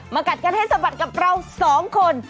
กัดกันให้สะบัดกับเราสองคน